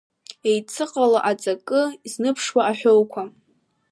Еицыҟало аҵакы зныԥшуа аҳәоуқәа…